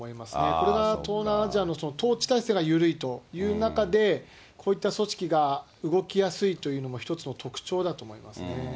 これは東南アジアの統治体制が緩いという中で、こういった組織が動きやすいというのも、一つの特徴だと思いますね。